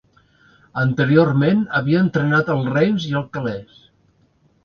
Anteriorment havia entrenat el Reims i el Calais.